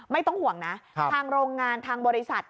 ไม่ต้องห่วงนะทางโรงงานทางบริษัท